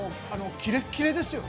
キレッキレですよね。